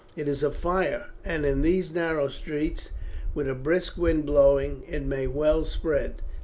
"It is a fire, and in these narrow streets, with a brisk wind blowing, it may well spread.